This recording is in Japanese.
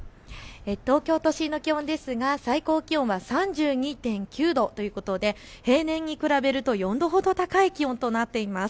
東京都心の気温ですが最高気温は３２．９度ということで、平年に比べると４度ほど高い気温となっています。